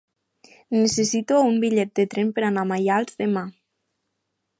Necessito un bitllet de tren per anar a Maials demà.